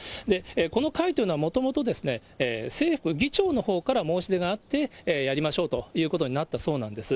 この会というのは、もともと正副議長のほうから申し出があって、やりましょうということになったそうなんです。